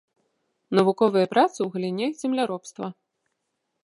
Навуковыя працы ў галіне земляробства.